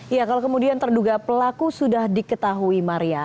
ya kalau kemudian terduga pelaku sudah diketahui maria